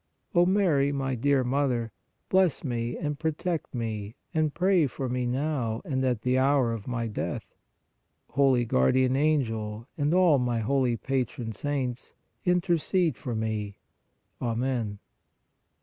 O Mary, my dear Mother, bless me and protect me and pray for me now and at the hour of my death. Holy Guardian Angel and all my holy Patron Saints, intercede for me. Amen.